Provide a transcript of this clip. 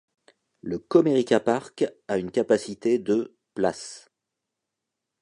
Le Comerica Park a une capacité de places.